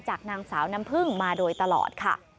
จากนางสาวน้ำพึ่งมาโดยตลอดค่ะ